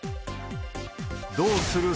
どうする？